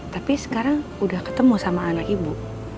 tapi sekarang udah ketemu sama anak ibu